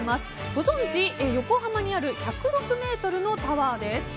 ご存じ、横浜にある１０６ｍのタワーです。